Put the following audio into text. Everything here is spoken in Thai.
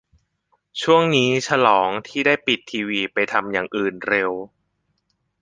ช่วงนี้ฉลองที่ได้ปิดทีวีไปทำอย่างอื่นเร็ว